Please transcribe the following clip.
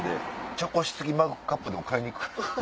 茶こし付きマグカップでも買いに行く？